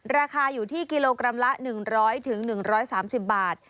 ราคาอยู่ที่กิโลกรัมละ๑๐๐๑๓๐บาท